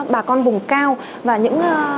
bà con vùng cao và những